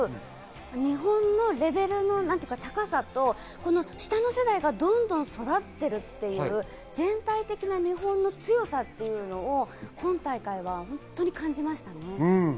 日本のレベルの高さと下の世代がどんどん育っているっていう全体的な日本の強さっていうのを今大会は本当に感じましたね。